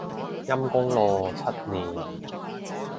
陰功咯，七年